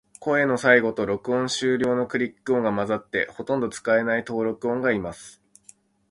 声の最後と、録音終了のクリック音が混ざって、ほとんど使えない登録者がいます。